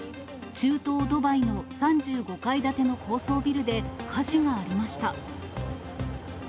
７日未明、中東ドバイの３５階建ての高層ビルで火事がありました。